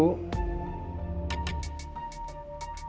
aku akan mencari kamu